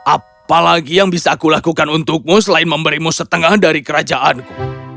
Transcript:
apalagi yang bisa aku lakukan untukmu selain memberimu setengah dari kerajaanku